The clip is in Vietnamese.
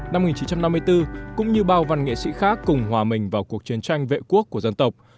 năm một nghìn chín trăm năm mươi bốn cũng như bao văn nghệ sĩ khác cùng hòa mình vào cuộc chiến tranh vệ quốc của dân tộc